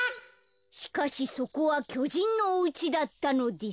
「しかしそこはきょじんのおうちだったのです」。